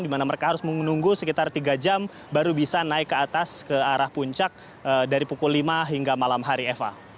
di mana mereka harus menunggu sekitar tiga jam baru bisa naik ke atas ke arah puncak dari pukul lima hingga malam hari eva